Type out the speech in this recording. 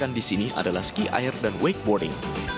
yang di sini adalah ski air dan wakeboarding